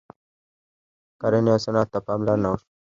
کرنې او صنعت ته پاملرنه وشوه.